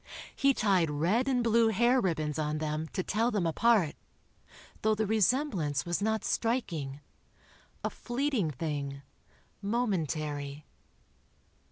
He tied red and blue hair ribbons on them, to tell them apart, though the resemblance was not striking ... a fleeting thing ... momentary.